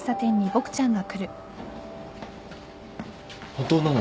本当なの？